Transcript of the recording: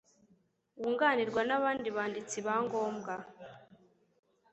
wunganirwa n abandi banditsi ba ngombwa